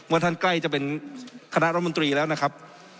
ท่านใกล้จะเป็นคณะรัฐมนตรีแล้วนะครับ